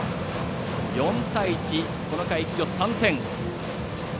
４対１、この回一挙３点。